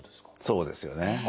そうですよね。